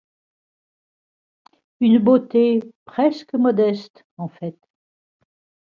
Une beauté presque modeste, en fait.